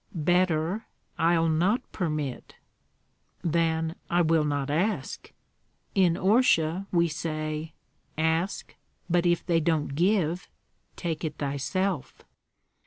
"Better, I'll not permit." "Then I will not ask. In Orsha we say, 'Ask; but if they don't give, take it thyself.'"